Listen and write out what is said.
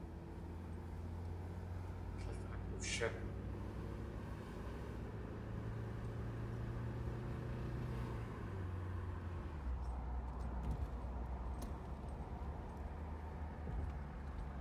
Tlél at ushí.